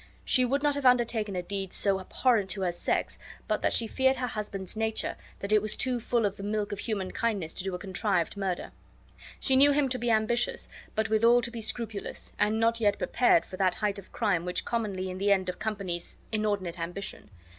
She would not have undertaken a deed so abhorrent to her sex but that she feared her husband's nature, that it was too full of the milk of human kindness to do a contrived murder. She knew him to be ambitious, but withal to be scrupulous, and not yet prepared for that height of crime which commonly in the end accompanies inordinate ambition.